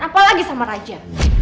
apalagi sama raja